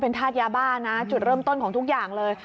ทาสยาบ้านะจุดเริ่มต้นของทุกอย่างเลย